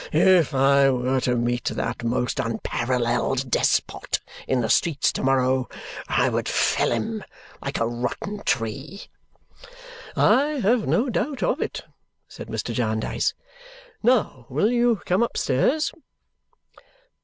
If I were to meet that most unparalleled despot in the streets to morrow, I would fell him like a rotten tree!" "I have no doubt of it," said Mr. Jarndyce. "Now, will you come upstairs?"